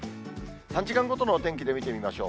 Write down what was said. ３時間ごとのお天気で見てみましょう。